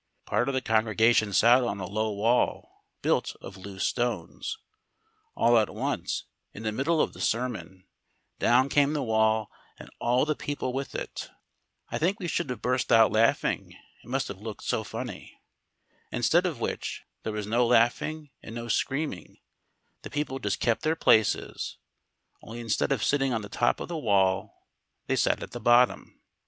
Part of the congregation sat on a low wall built of loose stones; all at once, in the middle of the sermon, down came the wall and all the people with it. I think we should have burst out laughing, it must have looked so funny. Instead of which, there was no laughing and no screaming; the people just kept their places, only instead of sitting on the top of the wall they sat at the bottom.